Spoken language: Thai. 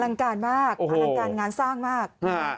ลังการมากอลังการงานสร้างมาก